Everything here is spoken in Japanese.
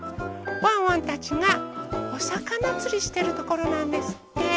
ワンワンたちがおさかなつりしてるところなんですって。